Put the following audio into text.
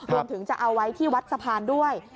รวมถึงจะเอาไว้ที่วัดสะพานด้วย